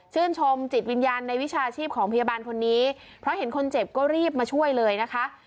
ชมจิตวิญญาณในวิชาชีพของพยาบาลคนนี้เพราะเห็นคนเจ็บก็รีบมาช่วยเลยนะคะ